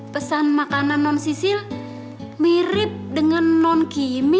pesan makanan non sisil mirip dengan non kimi